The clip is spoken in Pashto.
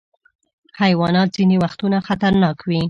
حیوانات ځینې وختونه خطرناک وي.